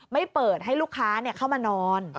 ไม่เปิดให้ลูกค้าเข้ามานอน